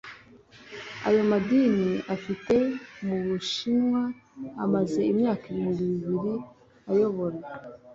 ayo madini afite mu bushinwa, amaze imyaka ibihumbi bibiri ayobora